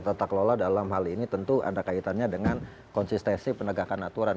tata kelola dalam hal ini tentu ada kaitannya dengan konsistensi penegakan aturan